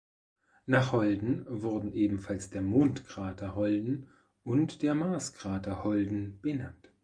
Nach Holden wurden ebenfalls der Mondkrater Holden und der Marskrater Holden benannt.